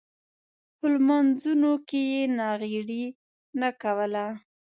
خو لمونځونو کې یې ناغېړي نه کوله.